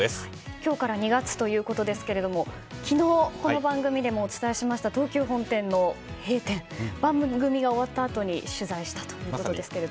今日から２月ということですけども昨日、この番組でもお伝えしました東急本店の閉店番組が終わったあとに取材したということですが。